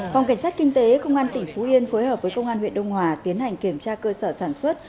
phòng cảnh sát kinh tế công an tỉnh phú yên phối hợp với công an huyện đông hòa tiến hành kiểm tra cơ sở sản xuất